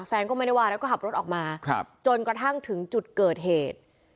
แฟนก็ไม่ได้ว่าแล้วก็ขับรถออกมาจนกระทั่งถึงจุดเกิดเหตุ